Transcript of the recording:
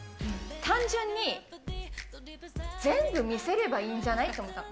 単純に、全部見せればいいんじゃない？と思ったの。